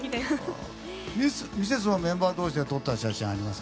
ミセスはメンバー同士で撮ったりします？